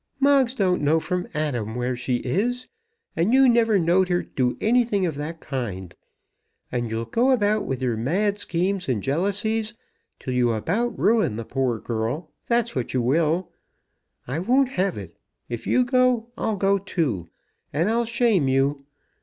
"Moggs don't know from Adam where she is; and you never knowed her do anything of that kind. And you'll go about with your mad schemes and jealousies till you about ruin the poor girl; that's what you will. I won't have it. If you go, I'll go too, and I'll shame you.